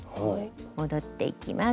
戻っていきます。